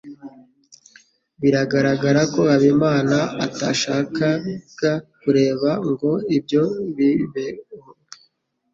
Biragaragara ko Habimana atashakaga kureka ngo ibyo bibeho.